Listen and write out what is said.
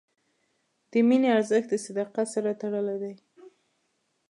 د مینې ارزښت د صداقت سره تړلی دی.